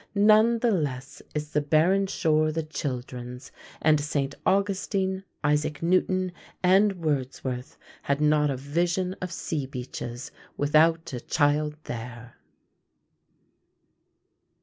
None the less is the barren shore the children's; and St. Augustine, Isaac Newton, and Wordsworth had not a vision of sea beaches without a child there.